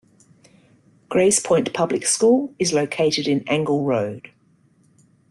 Grays Point Public School is located in Angle Road.